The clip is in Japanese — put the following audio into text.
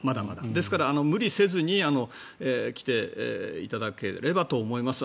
ですから、無理せずに来ていただければと思います。